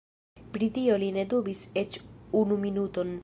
Pri tio li ne dubis eĉ unu minuton.